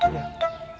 kamu mau ke rumah